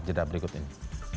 jadwal berikut ini